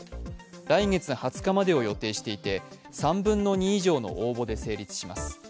来月２０日までを予定していて３分の２以上の応募で成立します。